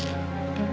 ya pak adrian